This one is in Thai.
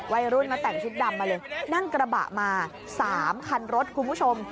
วัยรุ่นนะแต่งชุดดำมาเลยนั่งกระบะมา๓คันรถคุณผู้ชม